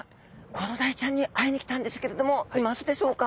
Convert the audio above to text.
コロダイちゃんに会いに来たんですけれどもいますでしょうか？